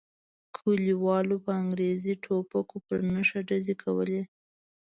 کلیوالو په انګریزي ټوپکو پر نښه ډزې کولې.